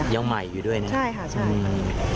ยังใหม่อยู่ด้วยนี่ะครับอืมใช่ค่ะ